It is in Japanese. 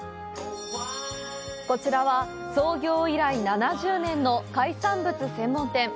こちらは創業以来７０年の海産物専門店。